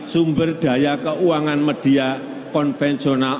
sumber daya keuangan media konvensional